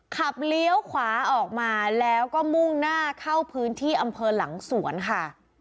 เลี้ยวขวาออกมาแล้วก็มุ่งหน้าเข้าพื้นที่อำเภอหลังสวนค่ะ